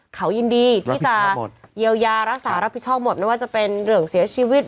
เขายินดีที่จะเยียวยารักษารับผิดชอบหมดไม่ว่าจะเป็นเรื่องเสียชีวิต